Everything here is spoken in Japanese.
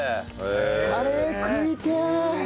カレー食いてえ！